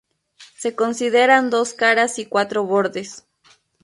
Se consideran dos caras y cuatro bordes.